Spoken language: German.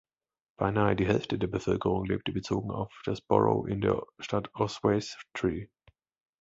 Beinahe die Hälfte der Bevölkerung lebte bezogen auf das Borough in der Stadt Oswestry.